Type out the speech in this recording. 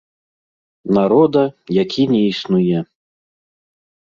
Народа, які не існуе.